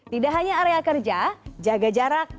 tidak hanya area kerja jaga jarak